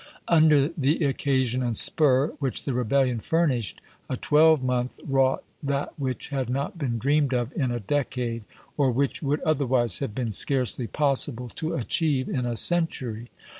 Under the occasion and spur which the Rebellion furnished, a twelvemonth wrought that which had not been dreamed of in a decade, or which would otherwise have been scarcely pos sible to achieve in a century.